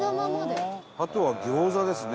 伊達：あとは餃子ですね。